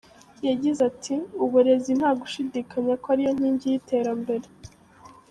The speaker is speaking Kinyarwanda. Yagize ati “Uburezi nta gushidikanya ko ari yo nkingi y’iterambere.